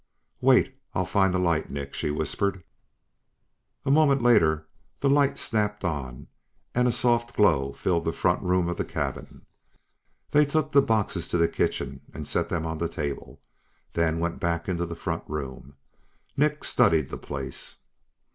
"Wait'll I find the light, Nick," she whispered. A moment later, the light snapped on and a soft glow filled the front room of the cabin. They took the boxes to the kitchen and set them on the table, then went back into the front room. Nick studied the place.